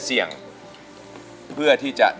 แต่เงินมีไหม